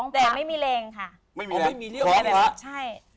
แต่ไม่มีเร่งค่ะ